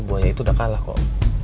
buah ayah itu udah kalah kok